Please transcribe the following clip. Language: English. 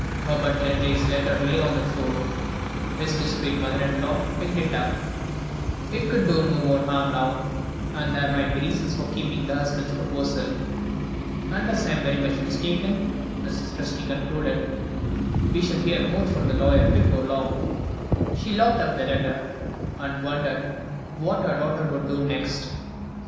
Herbert Linley's letter lay on the floor; his discreet mother in law picked it up. It could do no more harm now, and there might be reasons for keeping the husband's proposal. "Unless I am very much mistaken," Mrs. Presty concluded, "we shall hear more from the lawyer before long." She locked up the letter, and wondered what her daughter would do next.